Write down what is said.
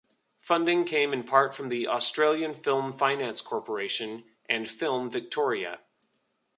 Funding came in part from the Australian Film Finance Corporation and Film Victoria.